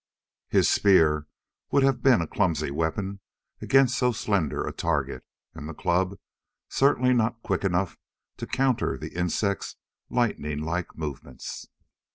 His spear would have been a clumsy weapon against so slender a target and the club certainly not quick enough to counter the insect's lightning like movements.